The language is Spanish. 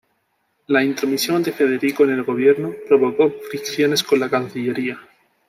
La intromisión de Federico en el gobierno provocó fricciones con la cancillería.